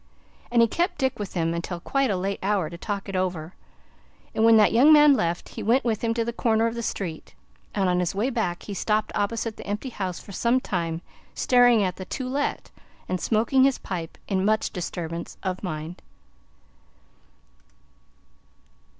And he kept Dick with him until quite a late hour to talk it over, and when that young man left, he went with him to the corner of the street; and on his way back he stopped opposite the empty house for some time, staring at the "To Let," and smoking his pipe, in much disturbance of mind.